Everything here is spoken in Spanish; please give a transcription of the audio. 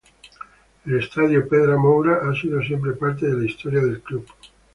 El estadio Pedra Moura ha sido siempre parte de la historia del club.